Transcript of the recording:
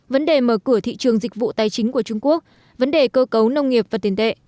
vấn đề mở cửa thị trường dịch vụ tài chính của trung quốc vấn đề cơ cấu nông nghiệp và tiền tệ